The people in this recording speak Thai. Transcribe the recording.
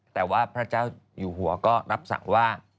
แต่ว่าพระเจ้าอยู่หัวก็รับสั่งว่า